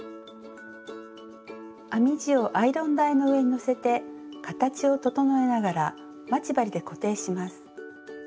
編み地をアイロン台の上にのせて形を整えながら待ち針で固定します。